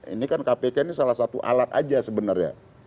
ini kan kpk ini salah satu alat aja sebenarnya